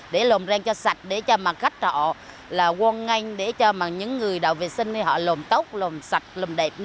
để lồm răng cho sạch để cho mà khách họ là quân nganh để cho mà những người đạo vệ sinh họ lồm tóc lồm sạch lồm đẹp